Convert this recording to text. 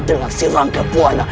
dengan si rangka puan